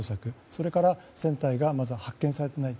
それから船体がまだ発見されていない。